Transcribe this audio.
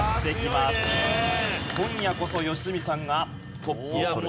今夜こそ良純さんがトップを取る。